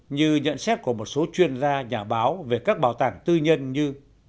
như nhận xét của một số chuyên gia nhà báo về các bảo tàng tư nhân như